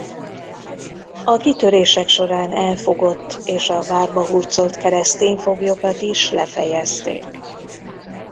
A kitörések során elfogott és a várba hurcolt keresztény foglyokat is lefejezték.